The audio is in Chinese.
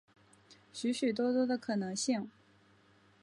许许多多的可能性